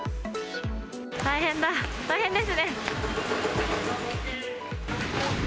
大変だ、大変ですね。